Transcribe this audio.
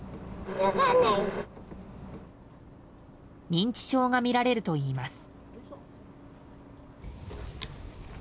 認知症がみられるといいます。